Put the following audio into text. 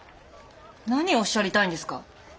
何をおっしゃりたいんですか！？